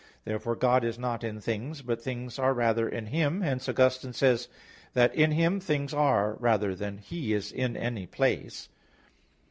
Therefore God is not in things but things are rather in Him. Hence Augustine says (Octog. Tri. Quaest. qu. 20), that "in Him things are, rather than He is in any place."